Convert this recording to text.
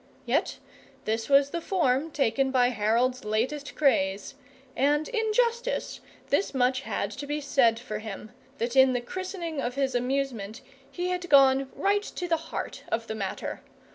Yet this was the form taken by Harold's latest craze; and in justice this much had to be said for him, that in the christening of his amusement he had gone right to the heart of the matter.